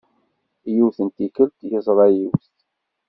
Yiwet n tikkelt, yeẓra yiwet.